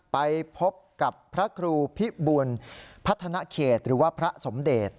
ไปพบกับพระครูพิบุญพัฒนาเขตหรือว่าพระสมเดช